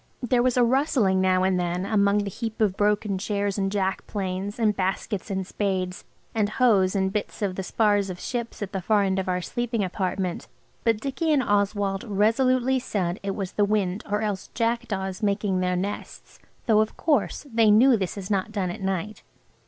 There was a rustling now and then among the heap of broken chairs and jack planes and baskets and spades and hoes and bits of the spars of ships at the far end of our sleeping apartment, but Dicky and Oswald resolutely said it was the wind or else jackdaws making their nests, though, of course, they knew this is not done at night.